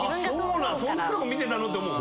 「そんなとこ見てたの」って思う？